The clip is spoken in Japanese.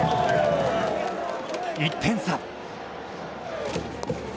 １点差。